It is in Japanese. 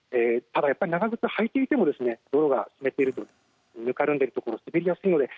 ただ長靴を履いていても道路がぬれているとぬかるんで滑りやすくなります。